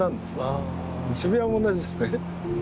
渋谷も同じですね。